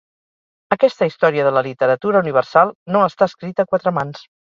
Aquesta història de la literatura universal no està escrita a quatre mans.